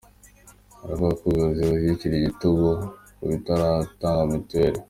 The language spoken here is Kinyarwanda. Haravugwa ko ubuyobozi bushyira igitugu ku bataratanga mitiweli